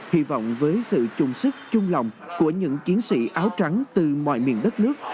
hy vọng với sự chung sức chung lòng của những chiến sĩ áo trắng từ mọi miền đất nước